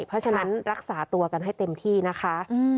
เพราะฉะนั้นรักษาตัวกันให้เต็มที่นะคะ